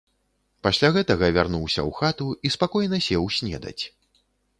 Пасля гэтага вярнуўся ў хату і спакойна сеў снедаць.